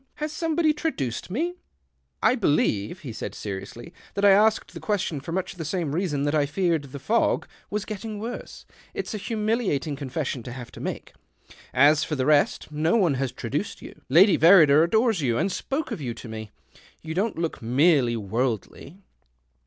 Has somebody tra duced me ?"" I believe," he said seriously, " tliat I asked the question for much the same reason that I feared the fog was getting w^orse. It's a humiliating confession to have to make. As for the rest, no one has traduced you. Lady Verrider adores you, and spoke of you to me. You don't look merely worldly."